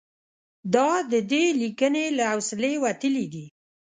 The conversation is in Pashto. دا د دې لیکنې له حوصلې وتلي دي.